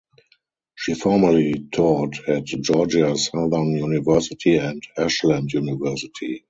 She formerly taught at Georgia Southern University and Ashland University.